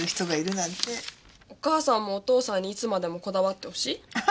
お母さんもお父さんにいつまでもこだわってほしい？アハハ！